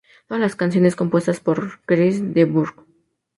Todas las canciones compuestas por Chris de Burgh.